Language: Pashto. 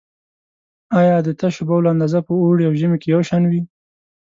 آیا د تشو بولو اندازه په اوړي او ژمي کې یو شان وي؟